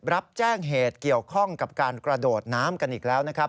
รับแจ้งเหตุเกี่ยวข้องกับการกระโดดน้ำกันอีกแล้วนะครับ